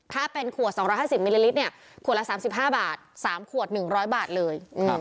ถ้าเป็นขวด๒๕๐มิลลิลิตรเนี่ยขวดละ๓๕บาท๓ขวด๑๐๐บาทเลย